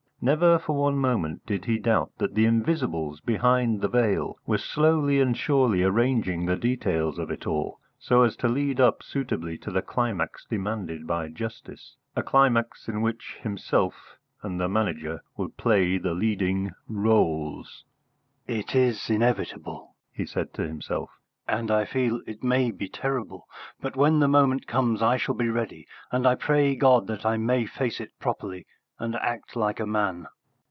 Never for one moment did he doubt that the Invisibles behind the veil were slowly and surely arranging the details of it all so as to lead up suitably to the climax demanded by justice, a climax in which himself and the Manager would play the leading roles. "It is inevitable," he said to himself, "and I feel it may be terrible; but when the moment comes I shall be ready, and I pray God that I may face it properly and act like a man."